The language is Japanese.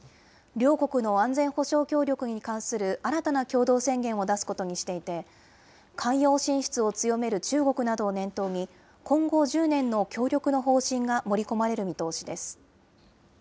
両国の安全保障協力に関する新たな共同宣言を出すことにしていて、海洋進出を強める中国などを念頭に、今後１０年の協力の方針が盛り込まれる見通しです。